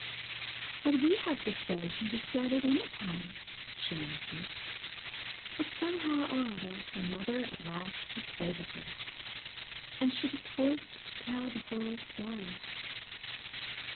"What we have to say can be said at any time," she answered. But somehow or other her mother at last persuaded her, and she was forced to tell the whole story.